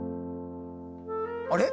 あれ？